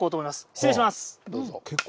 失礼します。